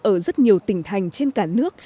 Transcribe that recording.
ở rất nhiều tỉnh thành trên cả nước